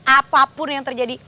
apapun yang terjadi